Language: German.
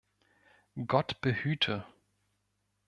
Gott behüte!